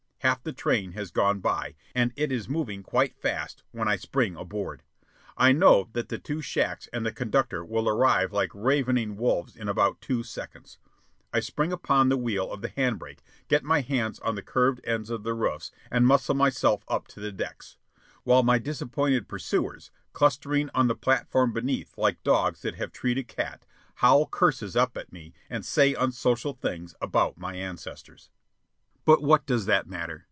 Half the train has gone by, and it is going quite fast, when I spring aboard. I know that the two shacks and the conductor will arrive like ravening wolves in about two seconds. I spring upon the wheel of the hand brake, get my hands on the curved ends of the roofs, and muscle myself up to the decks; while my disappointed pursuers, clustering on the platform beneath like dogs that have treed a cat, howl curses up at me and say unsocial things about my ancestors. But what does that matter?